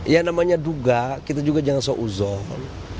ya namanya duga kita juga jangan seuzon